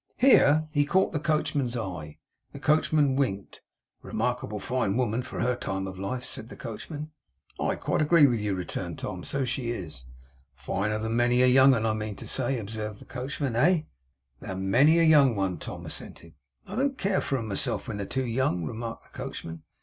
Here he caught the coachman's eye. The coachman winked. 'Remarkable fine woman for her time of life,' said the coachman. 'I quite agree with you,' returned Tom. 'So she is.' 'Finer than many a young 'un, I mean to say,' observed the coachman. 'Eh?' 'Than many a young one,' Tom assented. 'I don't care for 'em myself when they're too young,' remarked the coachman.